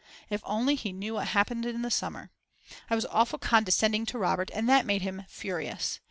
If only he knew what happened in the summer! I was awfully condescending to Robert and that made him furious.